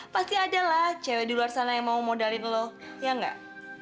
pasti ada lah cewek di luar sana yang mau modalin lo ya enggak